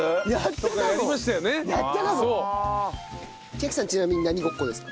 千晶さんちなみに何ごっこですか？